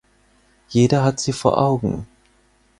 Jeder hat sie vor Augen.